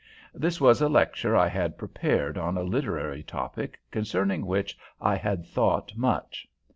This was a lecture I had prepared on a literary topic concerning which I had thought much.